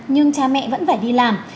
nhưng cha mẹ vẫn phải đi làm